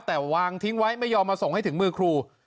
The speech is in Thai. แต่วางทิ้งไว้ไม่ยอมมาส่งให้ถึงมือครู